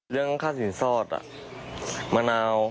เรื่องค่าสินสอดมะนาว